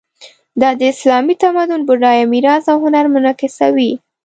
دا د اسلامي تمدن بډایه میراث او هنر منعکسوي.